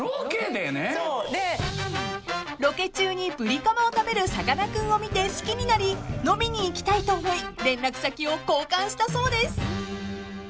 ［ロケ中にブリカマを食べるさかなクンを見て好きになり飲みに行きたいと思い連絡先を交換したそうです］